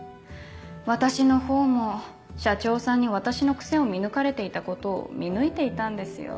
私のほうも社長さんに私の癖を見抜かれていたことを見抜いていたんですよ。